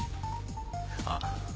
あっ。